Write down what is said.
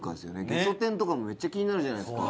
げそ天とかもめっちゃ気になるじゃないですか。